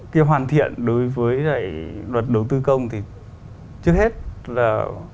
khi hoàn thiện đối với lại luật đầu tư công thì trước hết là